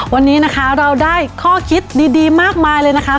วันนี้นะคะเราได้ข้อคิดดีมากมายเลยนะคะ